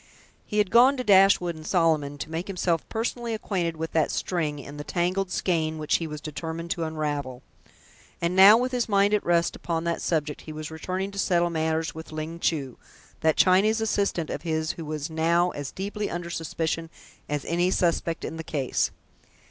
He had gone to Dashwood and Solomon to make himself personally acquainted with that string in the tangled skein which he was determined to unravel; and now, with his mind at rest upon that subject, he was returning to settle matters with Ling Chu, that Chinese assistant of his who was now as deeply under suspicion as any suspect in the case.